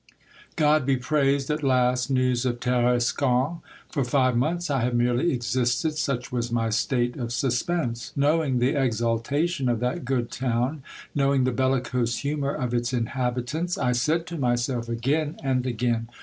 God be praised ! at last, news of Tarascon ! For five months I have merely existed, such was my state of suspense ! Knowing the exaltation of that good town, knowing the bellicose humor of its inhabitants, I said to myself again and again.